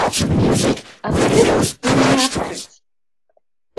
Открыть иль не открыть?